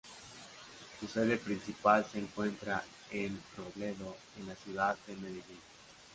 Su sede principal se encuentra en Robledo, en la ciudad de Medellín.